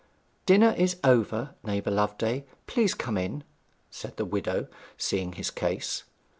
'Dinner is over, neighbour Loveday; please come in,' said the widow, seeing his case.